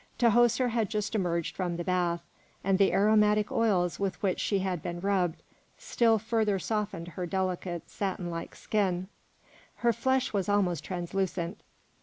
Tahoser had just emerged from the bath, and the aromatic oils with which she had been rubbed, still further softened her delicate, satin like skin; her flesh was almost translucent.